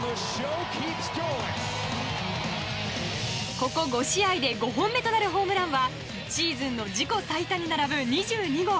ここ５試合で５本目となるホームランはシーズンの自己最多に並ぶ２２号。